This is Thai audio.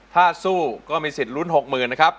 ถ้าสู้ก็มีสิทธิ์ลุ้น๖๐๐๐นะครับ